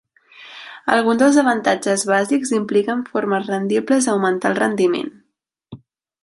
Alguns dels avantatges bàsics impliquen formes rendibles d'augmentar el rendiment.